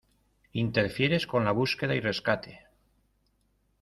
¡ Interfieres con la búsqueda y rescate!